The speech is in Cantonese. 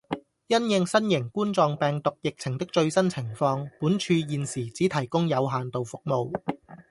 因應新型冠狀病毒疫情的最新情況，本處現時只提供有限度服務